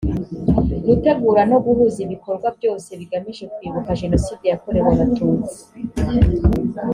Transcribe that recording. gutegura no guhuza ibikorwa byose bigamije kwibuka jenoside yakorewe abatutsi